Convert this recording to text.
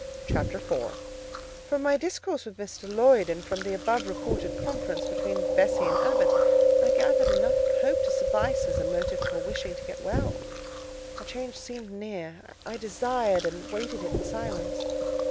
CHAPTER IV From my discourse with Mr. Lloyd, and from the above reported conference between Bessie and Abbot, I gathered enough of hope to suffice as a motive for wishing to get well: a change seemed near,—I desired and waited it in silence.